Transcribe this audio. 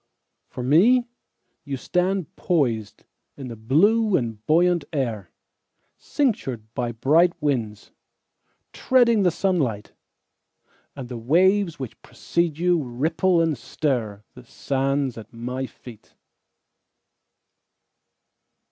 For me, You stand poisedIn the blue and buoyant air, Cinctured by bright winds, Treading the sunlight. And the waves which precede youRipple and stirThe sands at my feet.